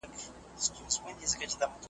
نن به یم سبا بېلتون دی نازوه مي .